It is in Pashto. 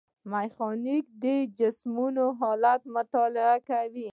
میخانیک د جسمونو حرکت مطالعه کوي.